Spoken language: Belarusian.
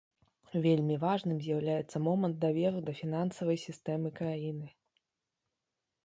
Вельмі важным з'яўляецца момант даверу да фінансавай сістэмы краіны.